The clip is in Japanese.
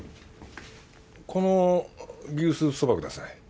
この牛スープそばください。